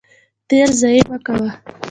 تیل ضایع مه کوه.